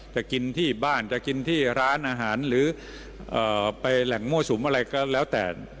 จะกินที่บ้านจะกินที่ร้านอาหารหรือไปแหล่งมั่วสุมอะไรก็แล้วแต่